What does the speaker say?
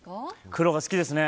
黒が好きですね。